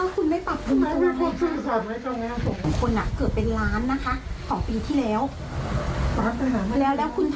คือให้เข้าใจในทุกอย่าง